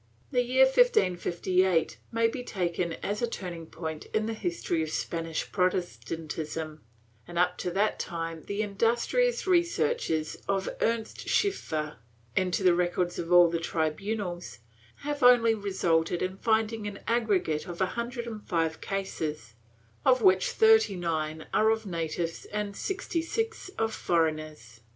The year 1558 may be taken as a turning point in the history of Spanish Protestantism and up to that time the industrious researches of Dr. Ernst Schafer, into the records of all the tribunals, have only resulted in finding an aggregate of a hundred and five cases, of which thirty nine are of natives and sixty six of foreigners.